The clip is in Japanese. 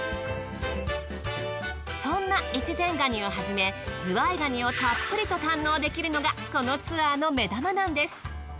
そんな越前ガニをはじめズワイガニをたっぷりと堪能できるのがこのツアーの目玉なんです。